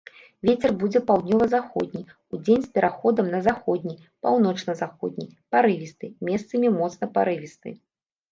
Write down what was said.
Вецер будзе паўднёва-заходні, удзень з пераходам на заходні, паўночна-заходні, парывісты, месцамі моцны парывісты.